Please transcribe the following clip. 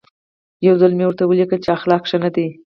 یو ځل مې ورته ولیکل چې اخلاق ښه نه دي.